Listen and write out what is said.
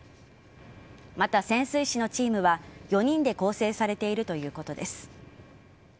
また、潜水士のチームは４人で構成されているということです。